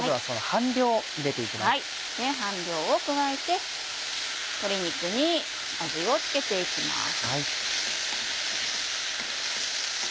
半量を加えて鶏肉に味を付けて行きます。